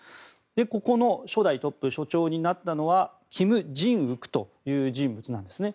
ここの初代トップ、処長になったのはキム・ジンウクという人物なんですね。